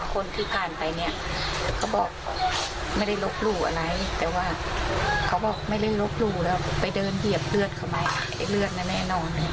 เขาเป็นเนี่ยเขาบอกว่าเขาเห็นเลือดเห็นอะไรแบบเขาเหมือนเขาเพ้อนะ